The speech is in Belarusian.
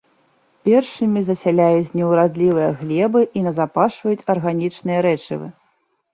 Першымі засяляюць неўрадлівыя глебы і назапашваюць арганічныя рэчывы.